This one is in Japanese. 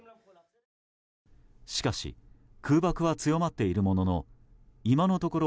しかし空爆は強まっているものの今のところ